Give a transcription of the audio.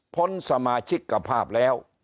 สมาชิกกภาพแล้ว